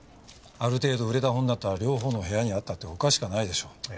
ある程度売れた本だったら両方の部屋にあったっておかしくはないでしょう。